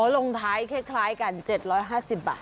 อ๋อลงท้ายแค่คล้ายกัน๗๕๐บาท